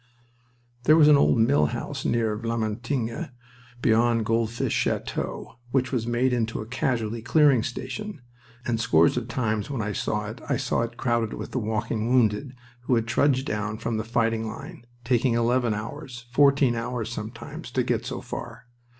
There was an old mill house near Vlamertinghe, beyond Goldfish Chateau, which was made into a casualty clearing station, and scores of times when I passed it I saw it crowded with the "walking wounded," who had trudged down from the fighting line, taking eleven hours, fourteen hours sometimes, to get so far.